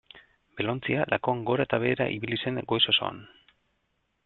Belaontzia lakuan gora eta behera ibili zen goiz osoan.